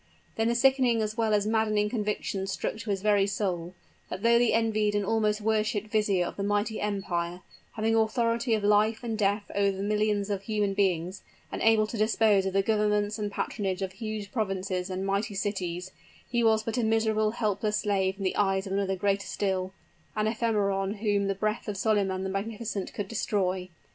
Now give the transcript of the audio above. Then the sickening as well as maddening conviction struck to his very soul, that though the envied and almost worshiped vizier of a mighty empire having authority of life and death over millions of human beings, and able to dispose of the governments and patronage of huge provinces and mighty cities he was but a miserable, helpless slave in the eyes of another greater still an ephemeron whom the breath of Solyman the Magnificent could destroy!